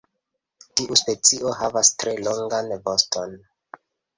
Tiu specio havas tre longan voston.